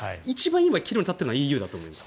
今、岐路に立っているのはＥＵだと思います。